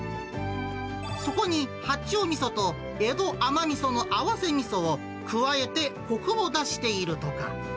そこに八丁みそと江戸甘みその合わせみそを加えて、こくを出しているとか。